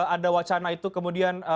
ada wacana itu kemudian